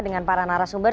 dengan para narasumber